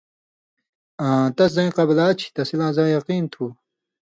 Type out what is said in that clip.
آں تس زَیں قبلا چھی؛ تسی لا زاں یقین تھُو؛